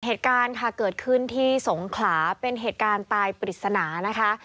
เหตุการณ์ค่ะเกิดขึ้นที่สงขลาเป็นเหตุการณ์ตายปริศนานะคะ